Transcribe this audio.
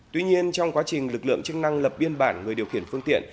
tuy nhiên trong quá trình lực lượng chức năng lập biên bản người điều khiển phương tiện